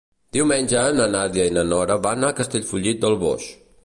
Diumenge na Nàdia i na Nora van a Castellfollit del Boix.